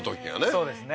そうですね